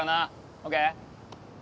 ＯＫ？